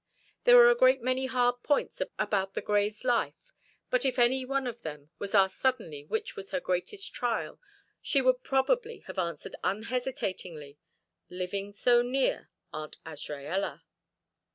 There were a great many hard points about the Greys' life, but if any one of them was asked suddenly which was her greatest trial she would probably have answered unhesitatingly: "Living so near Aunt Azraella."